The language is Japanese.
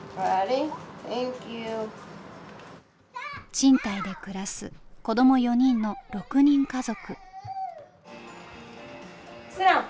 賃貸で暮らす子供４人の６人家族。